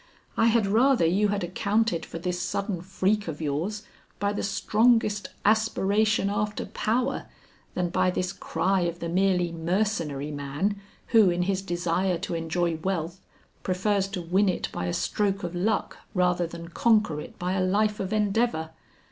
I had rather you had accounted for this sudden freak of yours by the strongest aspiration after power than by this cry of the merely mercenary man who in his desire to enjoy wealth, prefers to win it by a stroke of luck rather than conquer it by a life of endeavor."